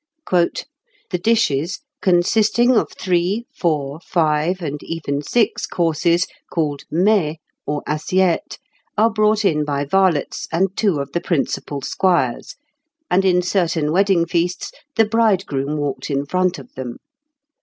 "The dishes, consisting of three, four, five, and even six courses, called mets or assiettes, are brought in by varlets and two of the principal squires, and in certain wedding feasts the bridegroom walked in front of them.